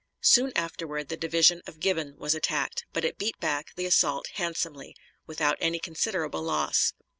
Soon afterward the division of Gibbon was attacked, but it beat back the assault handsomely without any considerable loss.